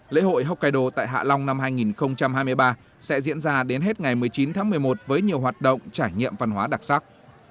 lễ hội hokkaido tại hạ long năm hai nghìn hai mươi ba sẽ diễn ra đến hết ngày một mươi chín tháng một mươi một với nhiều hoạt động trải nghiệm văn hóa đặc sắc